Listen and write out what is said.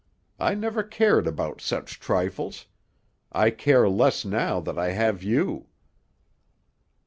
I never cared about such trifles; I care less now that I have you."